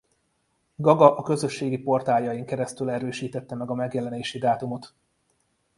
Gaga a közösségi portáljain keresztül erősítette meg a megjelenési dátumot.